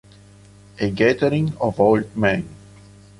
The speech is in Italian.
A Gathering of Old Men